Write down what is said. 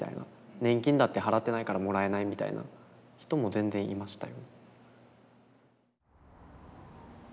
「年金だって払ってないからもらえない」みたいな人も全然いましたよ。